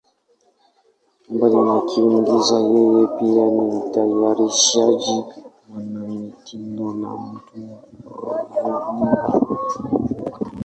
Mbali na kuigiza, yeye pia ni mtayarishaji, mwanamitindo na mtu wa runinga.